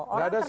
nggak ada soal